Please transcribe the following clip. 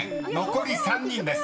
残り３人です］